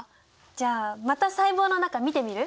じゃあまた細胞の中見てみる？